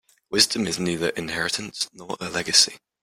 Wisdom is neither inheritance nor a legacy.